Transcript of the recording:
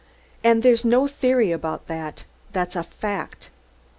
And there's no theory about that that's a fact!